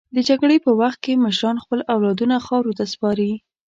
د جګړې په وخت کې مشران خپل اولادونه خاورو ته سپاري.